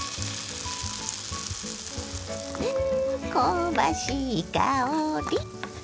ん香ばしい香り。